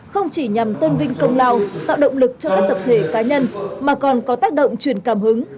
không chỉ nhằm tôn vinh công lao tạo động lực cho các tập thể cá nhân mà còn có tác động truyền cảm hứng